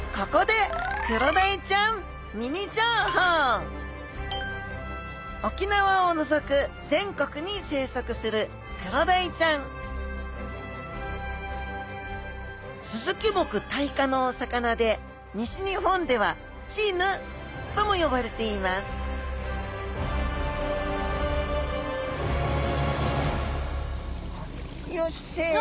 ここで沖縄を除く全国に生息するクロダイちゃんスズキ目タイ科のお魚で西日本ではチヌとも呼ばれていますよしせの。